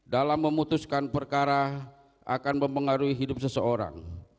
dalam memutuskan perkara akan mempengaruhi hidup seseorang